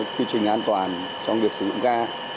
quy trình an toàn trong việc sử dụng ga